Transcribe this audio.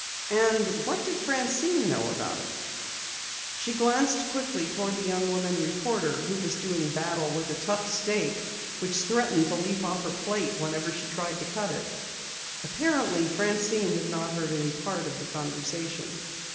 And what did Francine know about it? She glanced quickly toward the young woman reporter who was doing battle with a tough steak which threatened to leap off her plate whenever she tried to cut it. Apparently, Francine had not heard any part of the conversation.